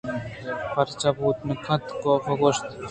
پر چا بوت نہ کنت ؟کاف ءَ گوٛشت